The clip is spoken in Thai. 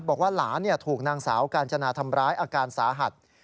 บอกว่าหลานถูกนางสาวกาญจนาทำร้ายอาการสาหัส